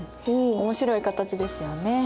面白い形ですよね。